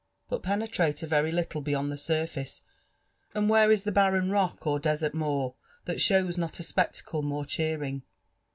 But peoelrate a very little beyond the surface, and where is the barren rock or desert moor thai shows not a spectacle more cheering?